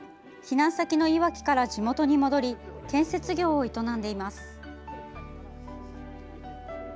避難先のいわきから地元に戻り建設業を営んでいます。